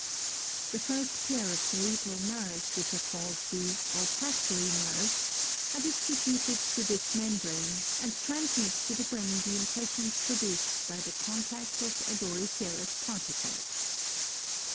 29. The first pair of cerebral nerves which are called the olfac tory nerves, are distributed to this membrane, and transmit to the brain the impressions produced by the contact of odoriferous particles.